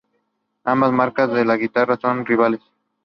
Ambas marcas de guitarras son rivales.